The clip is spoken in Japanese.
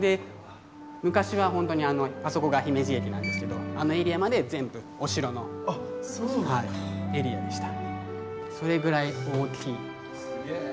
昔は本当にあそこが姫路駅なんですけどあのエリアまで全部お城のエリアでした。